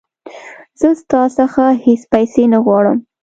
زه ستا څخه هیڅ پیسې نه غواړم.